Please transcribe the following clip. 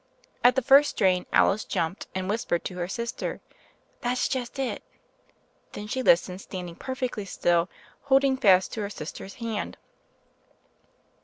At the first strain Alice jumped and whispered to her sister. 'That's just it.' Then she listened stand ing perfectly still, holding fast to her sister's hand.